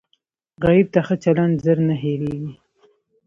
غریب ته ښه چلند زر نه هېریږي